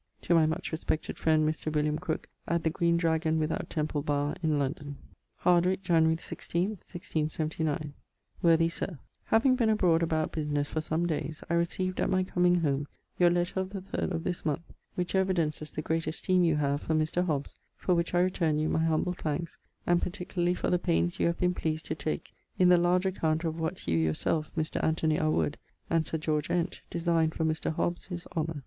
To my much respected frend Mr. William Crooke at the Green Dragon without Templebarr In London. Hardwick, January the 16ᵗʰ, 1679. Worthy Sir, Having been abroad about businesse for some days, I receaved, at my coming home, your letter of the third of this month, which evidences the great esteeme you have for Mr. Hobbes, for which I returne you my humble thanks, and particularly for the paines you have been pleased to take in the large account of what you your selfe, Mr. Anthony a Wood, and Sir George Ent designe for Mr. Hobbes his honour.